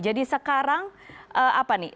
jadi sekarang apa nih